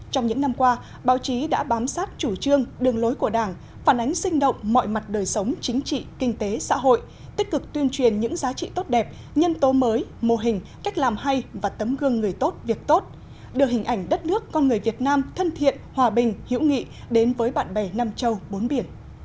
trong những năm qua báo chí đã bám sát chủ trương đường lối của đảng phản ánh sinh động mọi mặt đời sống chính trị kinh tế xã hội tích cực tuyên truyền những giá trị tốt đẹp nhân tố mới mô hình cách làm hay và tấm gương người tốt việc tốt đưa hình ảnh đất nước con người việt nam thân thiện hòa bình hữu nghị đến với bạn bè nam châu bốn biển